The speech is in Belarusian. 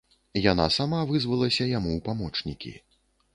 Яна сама вызвалася яму ў памочнікі.